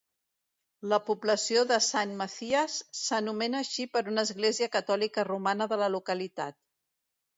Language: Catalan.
La població de Saint Mathias s'anomena així per una església catòlica romana de la localitat.